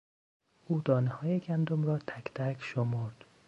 او دانههای گندم را تکتک شمرد.